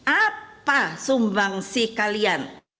apa sumbangsih kalian